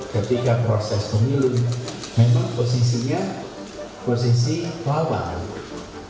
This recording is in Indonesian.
ketika proses pemilu memang posisinya posisi lawan